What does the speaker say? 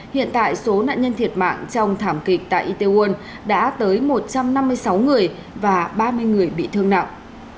hiện tại số nạn nhân thiệt mạng trong thảm kịch tại itaewon đã tới một trăm năm mươi sáu người và ba mươi người bị thương nặng